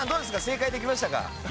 正解できましたか？